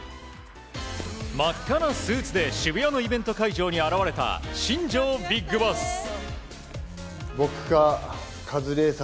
真っ赤なスーツで渋谷のイベント会場に現れた新庄ビッグボス。